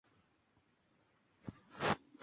El cero sexagesimal griego se modificó con el tiempo.